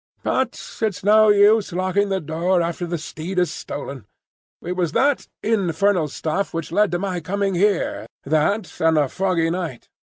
But it's no use locking the door after the steed is stolen. It was that infernal stuff which led to my coming here,—that, and a foggy night.